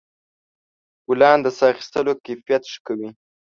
ګلان د ساه اخیستلو کیفیت ښه کوي.